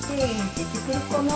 でてくるかな？